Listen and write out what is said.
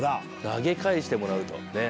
投げ返してもらうとね。